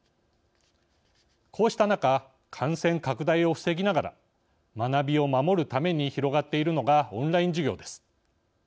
こうした中感染拡大を防ぎながら学びを守るために広がっているのがオンライン授業です。